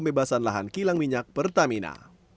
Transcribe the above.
pembebasan lahan kilang minyak pertamina